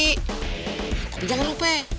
tapi jangan lupa pak